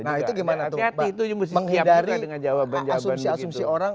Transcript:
menghindari asumsi asumsi orang